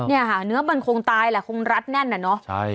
เนี่ยค่ะเนื้อมันคงตายแหละคงรัดแน่นน่ะเนอะใช่